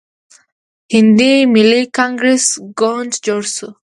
هندي ملي کانګریس ګوند جوړ شو.